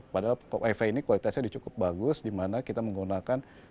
padahal wifi ini kualitasnya cukup bagus dimana kita menggunakan